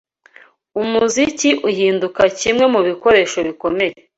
umuziki uhinduka kimwe mu bikoresho bikomeye